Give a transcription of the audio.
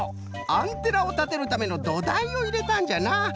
アンテナをたてるためのどだいをいれたんじゃな。